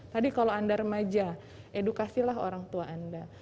tadi kalau anda remaja edukasilah orang tua anda